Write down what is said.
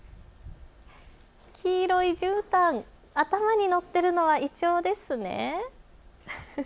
黄色いじゅうたん、頭に載っているのはイチョウですね。